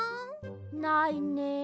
ないねえ。